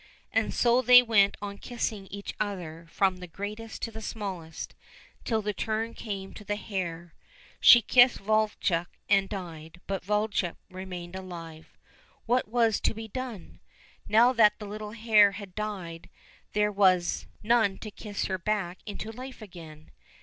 And so they went on kissing each other from the greatest to the smallest, till the turn came to the hare. She kissed Vovchok and died, but Vovchok remained alive. What was to be done } Now that the little hare had died there was 79 COSSACK FAIRY TALES none to kiss her back into life again.